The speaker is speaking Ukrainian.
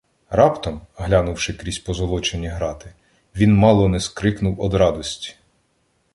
Раптом, глянувши крізь позолочені грати, він мало не скрикнув од радості.